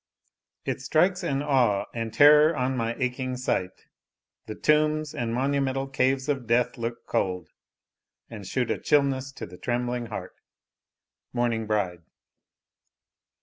It strikes an awe And terror on my aching sight; the tombs And monumental caves of death look cold, And shoot a chillness to the trembling heart. Mourning Bride.